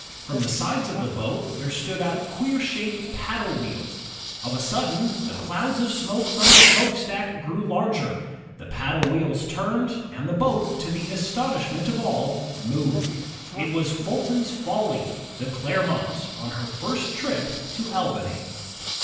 From the sides of the boat, there stood out queer shaped paddle wheels. Of a sudden, the clouds of smoke from the smokestack grew larger, the paddle wheels turned, and the boat, to the astonishment of all, moved. It was '^ Fulton's Folly," the Clermont j on her first trip to Albany.